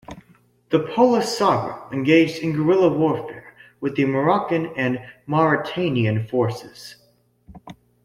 The Polisario engaged in guerrilla warfare with the Moroccan and Mauritanian forces.